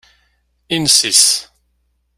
Inessis.